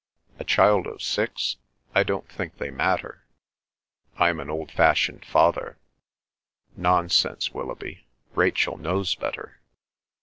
"A child of six? I don't think they matter." "I'm an old fashioned father." "Nonsense, Willoughby; Rachel knows better."